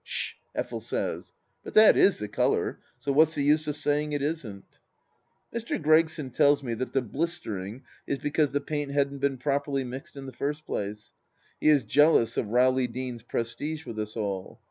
Sh h ! Effel says. But that is the colour, so what's the use of saying it isn't ? Mr. Gregson tells me that the blistering is because the paint hadn't been properly mixed in the first place ; he is jealous of Rowley Deane's prestige with us all.